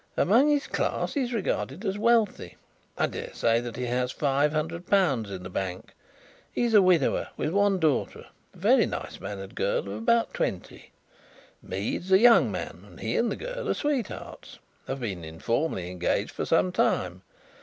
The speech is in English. Among his class he is regarded as wealthy. I daresay that he has five hundred pounds in the bank. He is a widower with one daughter, a very nice mannered girl of about twenty. Mead is a young man, and he and the girl are sweethearts have been informally engaged for some time.